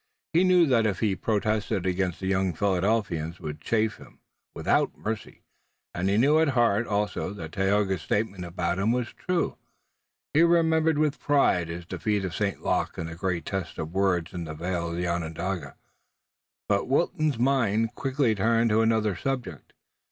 He knew that if he protested again the young Philadelphians would chaff him without mercy, and he knew at heart also that Tayoga's statement about him was true. He remembered with pride his defeat of St. Luc in the great test of words in the vale of Onondaga. But Wilton's mind quickly turned to another subject.